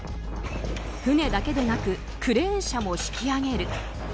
船だけでなくクレーン車も引き揚げる。